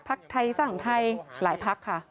พักไทยสร้างไทยหลายพักค่ะ